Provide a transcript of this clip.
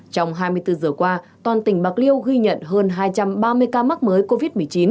trong hai mươi bốn giờ qua toàn tỉnh bạc liêu ghi nhận hơn hai trăm ba mươi ca mắc mới covid một mươi chín